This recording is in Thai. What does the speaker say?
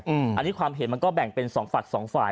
อันนี้ความเห็นมันก็แบ่งเป็นสองฝั่งสองฝ่าย